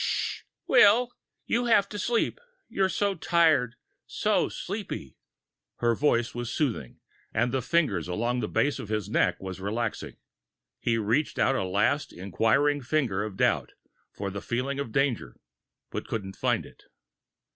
"Shh, Will. You have to sleep. You're so tired, so sleepy...." Her voice was soothing, and the fingers along the base of his neck was relaxing. He reached out a last inquiring finger of doubt for the feeling of danger, and couldn't find it.